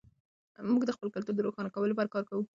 موږ د خپل کلتور د روښانه کولو لپاره کار کوو.